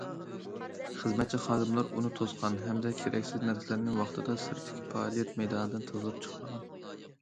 خىزمەتچى خادىملار ئۇنى توسقان ھەمدە كېرەكسىز نەرسىلەرنى ۋاقتىدا سىرتتىكى پائالىيەت مەيدانىدىن تازىلاپ چىقارغان.